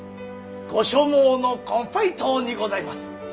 ご所望のコンフェイトにございます！